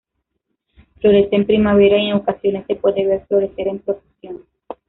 Florece en primavera y en ocasiones se puede ver florecer en profusión.